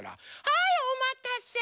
はいおまたせ！